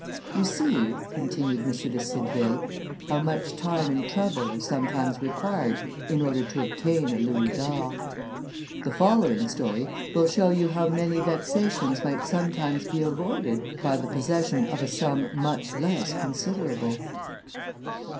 You see, continued M. de Cideville, how much time and trouble are sometimes required in order to obtain a louis d'or. The following story will show you how many vexations might sometimes be avoided by the possession of a sum much less considerable.